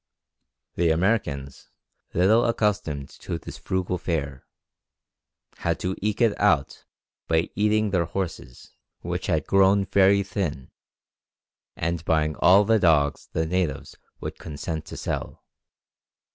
The Americans, little accustomed to this frugal fare, had to eke it out by eating their horses, which had grown very thin, and buying all the dogs the natives would consent to sell.